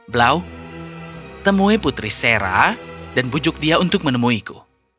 blau temui putri sera dan bujuk dia untuk menemuiku